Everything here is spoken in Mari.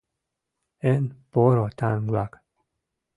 Эн, поро таҥ-влак!